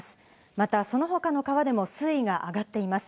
またその他の川でも水位が上がっています。